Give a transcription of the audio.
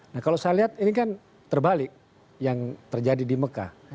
nah kalau saya lihat ini kan terbalik yang terjadi di mekah